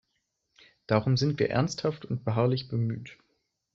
Darum sind wir ernsthaft und beharrlich bemüht.